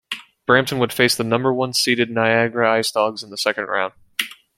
Brampton would face the number one seeded Niagara Ice Dogs in the second round.